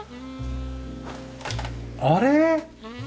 あれ？